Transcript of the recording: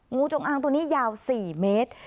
งูจงอางตัวนี้ยาว๔เมตร